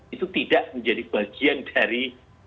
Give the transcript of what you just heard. itu tidak menjadi bagian dari